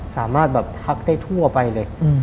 สามารถแบบพักได้ทั่วไปเลย